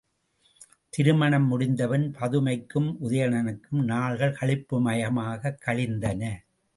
திருமணம் முடிந்தபின் பதுமைக்கும் உதயணனுக்கும் நாள்கள் களிப்பு மயமாகக் கழிந்தன.